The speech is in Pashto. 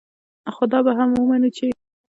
خو دا به هم منو چې